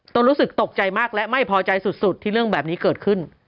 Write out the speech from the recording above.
รู้สึกตกใจมากและไม่พอใจสุดที่เรื่องแบบนี้เกิดขึ้น